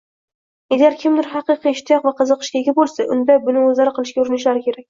Agar kimdir haqiqiy ishtiyoq va qiziqishga ega boʻlsa, unda buni oʻzlari qilishga urinishlari kerak.